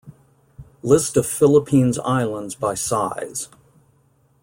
List of Philippines islands by size.